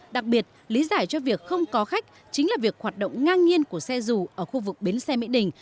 đặc biệt lý giải cho việc không có khách chính là việc hoạt động ngang nhiên của xe dù ở khu vực bến xe mỹ đình